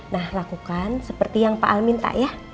nah lakukan seperti yang pak al minta ya